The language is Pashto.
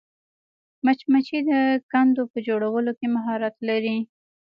مچمچۍ د کندو په جوړولو کې مهارت لري